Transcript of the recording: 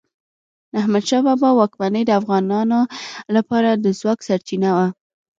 د احمد شاه بابا واکمني د افغانانو لپاره د ځواک سرچینه وه.